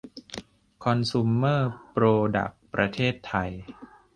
คอนซูมเมอร์ โปรดักส์ ประเทศไทย